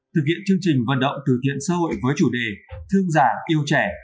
thực hiện chương trình vận động từ thiện xã hội với chủ đề thương giả yêu trẻ